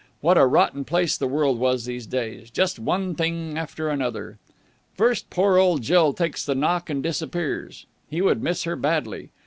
What a rotten place the world was these days! Just one thing after another. First, poor old Jill takes the knock and disappears. He would miss her badly.